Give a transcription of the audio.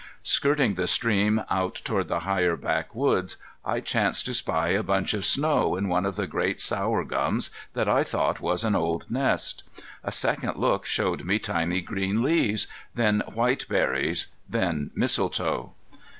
Skirting the stream out toward the higher back woods, I chanced to spy a bunch of snow in one of the great sour gums that I thought was an old nest. A second look showed me tiny green leaves, then white berries, then mistletoe.